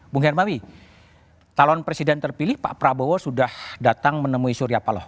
bung hermawi calon presiden terpilih pak prabowo sudah datang menemui surya paloh